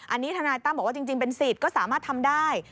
อันนี้ทนายตั้มบอกว่าจริงเป็นสิทธิ์ก็สามารถทำได้